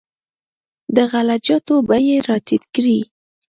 د غله جاتو بیې یې راټیټې کړې.